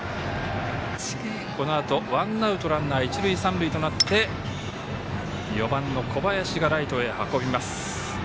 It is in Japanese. このあと、ワンアウトランナー、一塁三塁となって４番の小林がライトへ運びます。